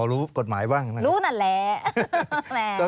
รู้นั้นแหละ